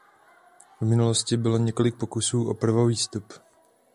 V minulosti bylo několik pokusů o prvovýstup.